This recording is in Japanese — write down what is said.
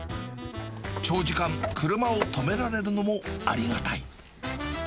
長時間、車を止められるのもありがたい。